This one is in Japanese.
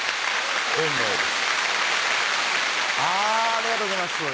ありがとうございます。